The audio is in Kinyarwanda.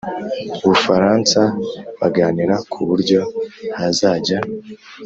Bufaransa baganira ku buryo hazajya